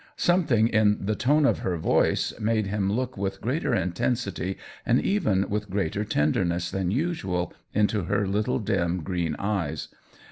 Something in the tone of her voice made him look with greater intensity and even with greater tenderness than usual into her little dim green eyes.